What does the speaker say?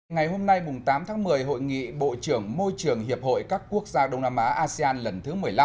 ngày hôm nay tám tháng một mươi hội nghị bộ trưởng môi trường hiệp hội các quốc gia đông nam á asean lần thứ một mươi năm